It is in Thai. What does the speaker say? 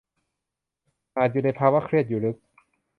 อาจอยู่ในภาวะเครียดอยู่ลึก